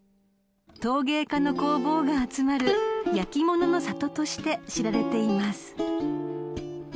［陶芸家の工房が集まる焼き物の里として知られています］